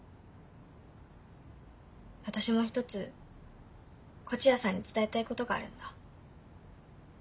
私も一つ東風谷さんに伝えたいことがあるんだ。